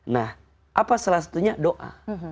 nah apa salah satunya doa